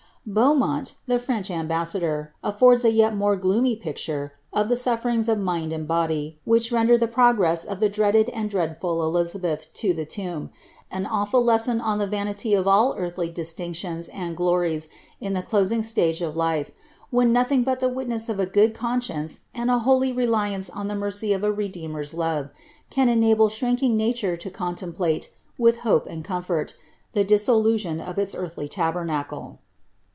* Beaumont, the French ambassador, afibrds a yet more gloomy picture of the suflerings of mind and body, which rendered the progress of tlie ''dreaded and dreadful Elizabeth" to the tomb, an awful lesson on the vanity of all earthly distinctions and glories in the closing stage of life, when nothing but the witness of a gonad conscience, and a holy reliance OB the mercy of a Redeemer's love, can enable shrinking nature to con template, with hope and comfort, the dissolution of its earthly taber nacle.